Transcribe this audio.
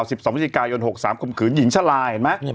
๑๒วิจิกายนน๖๓คมขืนหญิงชาล่ายเห็นไหม